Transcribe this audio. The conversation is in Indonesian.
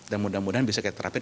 dan mudah mudahan bisa kita terapi